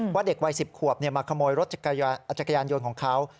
เด็กวัย๑๐ขวบมาขโมยรถจักรยานยนต์ของเขา